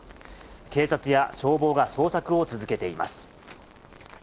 警察や消防が捜索を続けています。